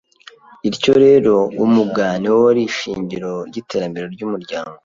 ityo rero umuga ni we wari ishingiro ry’iteramere ry’umuryango